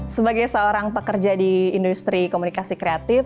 sebagai seorang pekerja di industri komunikasi kreatif